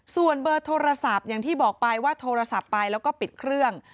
ส่วนเบอร์โทรศัพท์อย่างที่บอกไปว่าโทรศัพท์ไปแล้วก็ปิดเครื่อง